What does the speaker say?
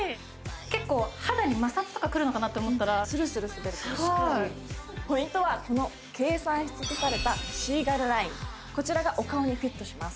結構肌に摩擦とかくるのかなって思ったらスルスルすべるからすごくいいポイントはこの計算しつくされたこちらがお顔にフィットします